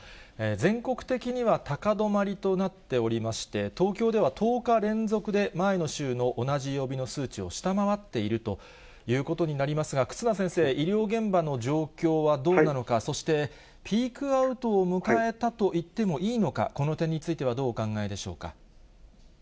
全国的には高止まりとなっておりまして、東京では１０日連続で前の週の同じ曜日の数値を下回っているということになりますが、忽那先生、医療現場の状況はどうなのか、そして、ピークアウトを迎えたといってもいいのか、この点についてはどうお考えでしょうか。